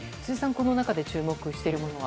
この中で注目してるものは？